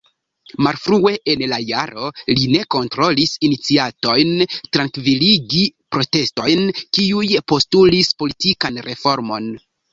Malfrue en la jaro li ne kontrolis iniciatojn trankviligi protestojn kiuj postulis politikan reformon.